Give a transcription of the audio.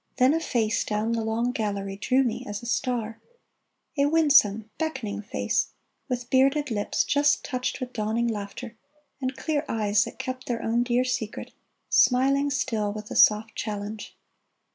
Then a face Down the long gallery drew^ me as a star ; A winsome, beckoning face, with bearded lips Just touched with dawning laughter, and clear eyes That kept their own dear secret, smiling still With a soft challenge.